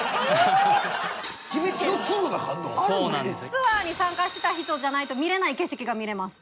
ツアーに参加した人じゃないと見れない景色が見れます。